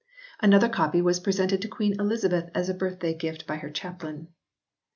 Another copy was presented to Queen Elizabeth as a birthday gift by her chaplain.